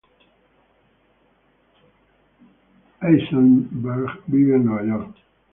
Eisenberg vive en Nueva York.